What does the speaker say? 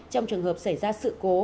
trong trường hợp xảy ra sự cố